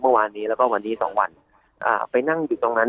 เมื่อวานนี้แล้วก็วันนี้สองวันอ่าไปนั่งอยู่ตรงนั้น